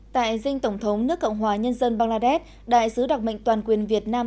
tại dinh tổng thống nước cộng hòa nhân dân bangladesh đại sứ đặc mệnh toàn quyền việt nam